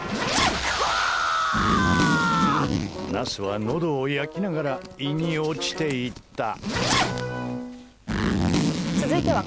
ナスはのどを焼きながら胃に落ちていった。